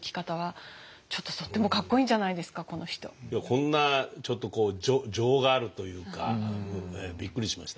こんなちょっと情があるというかびっくりしました。